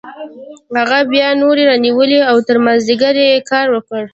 هغه بیا نورې رانیولې او تر مازدیګره یې کار وکړ